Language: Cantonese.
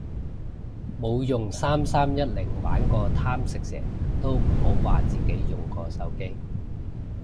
冇用三三一零玩過貪食蛇都唔好話自己用過手機